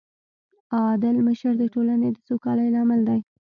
عادل مشر د ټولنې د سوکالۍ لامل دی.